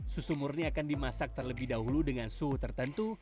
susu murni akan dimasak terlebih dahulu dengan suhu tertentu